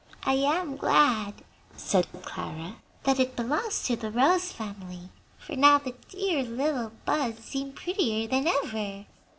"I am glad," said Clara, "that it belongs to the rose family, for now the dear little buds seem prettier than ever."